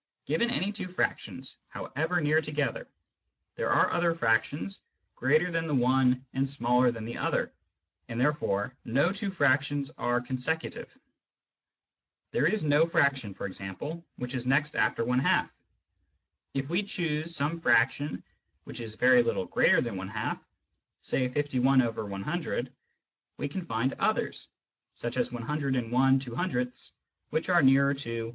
Given any two frac tions, however near together, there are other fractions greater than the one and smaller than the other, and therefore no two fractions are consecutive. There is no fraction, for example, which is next after j^ : if we choose some fraction which is very little greater than |^, say ^j^, we can find others, such as ^^, which are nearer to ^.